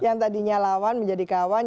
yang tadinya lawan menjadi kawan